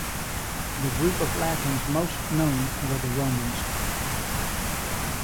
The group of Latins most known were the Romans.